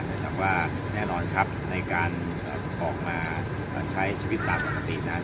ต้องว่าแน่นอนครับในการออกมาใช้ชีวิตประกาศนั้น